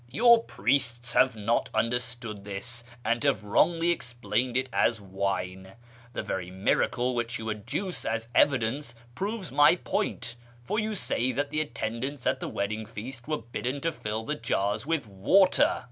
Your priests have not understood this, and have wrongly explained it as wine. The very miracle which you adduce as evidence proves my point, for you say that the attendants at the wedding feast were bidden to fill the jars with water.